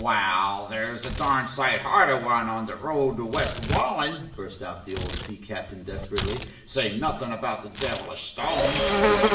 "Wall, there's a darned sight harder one on the road to West Wallen!" burst out the old sea captain desperately; "say nothin' about the devilish stones!"